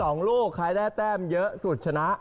ลูกใครได้แต้มเยอะสุดชนะ